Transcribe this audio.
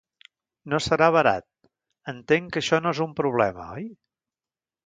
No serà barat; entenc que això no és un problema, oi?